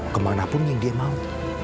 kemana pun yang dia mau